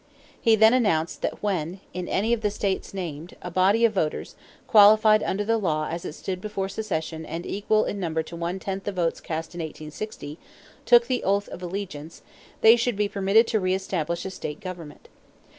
He then announced that when, in any of the states named, a body of voters, qualified under the law as it stood before secession and equal in number to one tenth the votes cast in 1860, took the oath of allegiance, they should be permitted to reëstablish a state government.